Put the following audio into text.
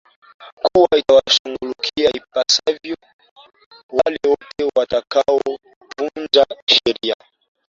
kuwa itawashughulikia ipasavyo wale wote watakao vunja sheria